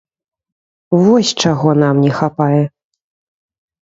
Вось чаго нам не хапае.